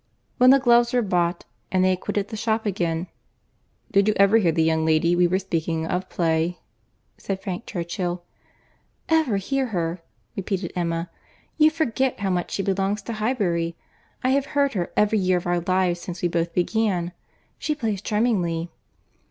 When the gloves were bought, and they had quitted the shop again, "Did you ever hear the young lady we were speaking of, play?" said Frank Churchill. "Ever hear her!" repeated Emma. "You forget how much she belongs to Highbury. I have heard her every year of our lives since we both began. She plays charmingly."